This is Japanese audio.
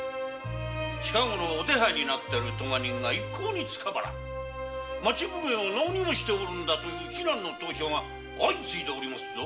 近ごろお手配になっているトガ人が捕まらん町奉行は何をしておるんだという非難の投書が相ついでおりますぞ。